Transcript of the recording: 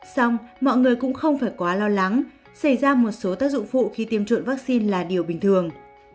xong mọi người cũng không phải quá lo lắng xảy ra một số tác dụng phụ khi tiêm chủng vaccine là điều bình thường